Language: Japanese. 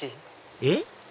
えっ？